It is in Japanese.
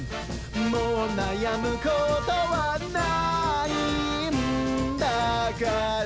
もう悩むことはないんだから」